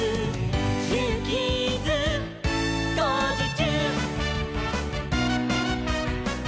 「ジューキーズ」「こうじちゅう！」